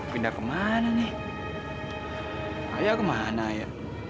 pindah ke mana nih ayah kemana ya